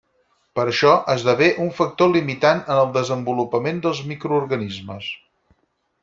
Per això esdevé un factor limitant en el desenvolupament dels microorganismes.